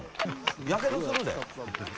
やけどするで。